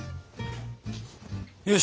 よし！